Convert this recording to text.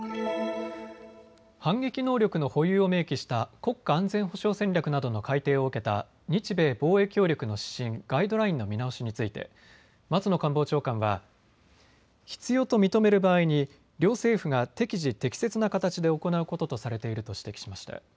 反撃能力の保有を明記した国家安全保障戦略などの改定を受けた日米防衛協力の指針、ガイドラインの見直しについて松野官房長官は必要と認める場合に両政府が適時適切な形で行うこととされていると指摘しました。